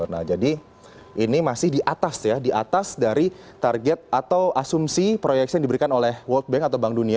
nah jadi ini masih di atas ya di atas dari target atau asumsi proyeksi yang diberikan oleh world bank atau bank dunia